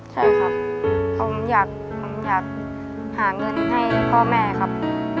ใช่ครับผมอยากหาเงินให้พ่อแม่ครับ